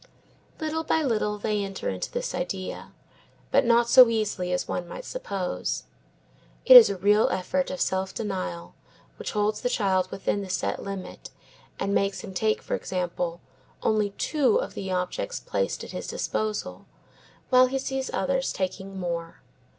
Little by little they enter into this idea, but not so easily as one might suppose. It is a real effort of self denial which holds the child within the set limit, and makes him take, for example, only two of the objects placed at his disposal, while he sees others taking more.